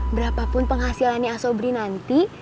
berapapun penghasilannya asobri nanti